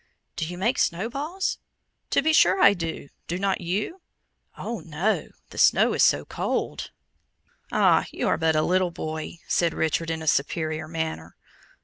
"Do you make snowballs?" "To be sure I do! Do not you?" "Oh, no! the snow is so cold." "Ah! you are but a little boy," said Richard, in a superior manner.